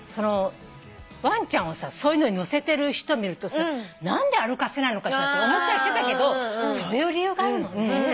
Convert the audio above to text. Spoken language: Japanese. ワンちゃんをそういうのに乗せてる人見ると何で歩かせないのかしらって思ってたけどそういう理由があるのね。